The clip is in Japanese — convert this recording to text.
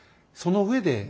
その上で。